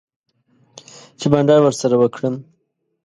چی بانډار ورسره وکړم